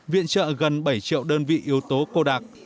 viện trợ gần bảy triệu đơn vị yếu tố cô đặc